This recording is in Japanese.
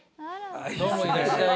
どうもいらっしゃい。